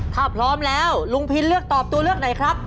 ถ้าพร้อมแล้วลุงพินเลือกตอบตัวเลือกไหนครับ